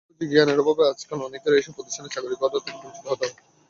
তথ্যপ্রযুক্তি জ্ঞানের অভাবে আজকাল অনেকেরই এসব প্রতিষ্ঠানের চাকরি থেকে বঞ্চিত হতে হয়।